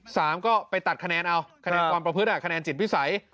สามก็ไปตัดคะแนนเอาคะแนนความประพฤติอ่ะคะแนนจิตวิสัย